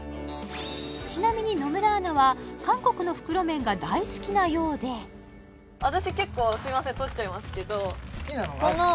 ちなみに野村アナは韓国の袋麺が大好きなようで私結構すいません取っちゃいますけど好きなのがあるの？